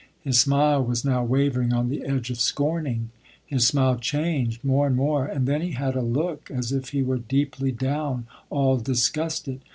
His smile was now wavering on the edge of scorning. His smile changed more and more, and then he had a look as if he were deeply down, all disgusted.